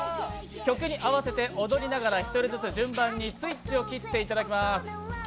曲に合わせて踊りながら１人ずつスイッチを切っていただきます。